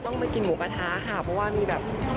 มากินหมูกระทะค่ะเพราะว่ามีแบบ